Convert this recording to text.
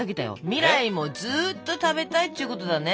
未来もずーっと食べたいっちゅうことだね。